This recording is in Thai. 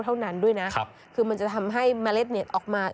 เท่านั้นด้วยนะคือมันจะทำให้เมล็ดเนี่ยออกมา